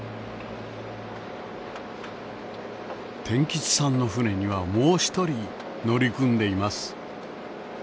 天吉さんの船にはもう１人乗り組んでいます。